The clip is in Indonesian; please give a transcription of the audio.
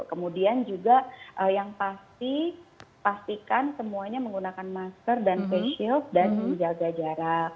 kemudian juga yang pasti pastikan semuanya menggunakan masker dan face shield dan menjaga jarak